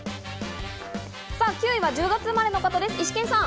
９位は１０月生まれの方です、イシケンさん。